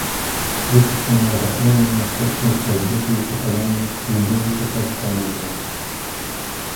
Выпушчаныя затрыманыя сведчылі пра здзекі і катаванні людзей пасля затрыманняў.